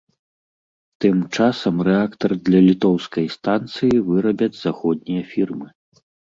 Тым часам рэактар для літоўскай станцыі вырабяць заходнія фірмы.